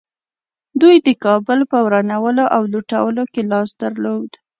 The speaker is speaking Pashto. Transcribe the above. دوی د کابل په ورانولو او لوټولو کې لاس درلود